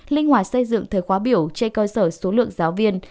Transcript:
linh hòa xây dựng thời khóa biểu chế cơ sở số lượng giáo viên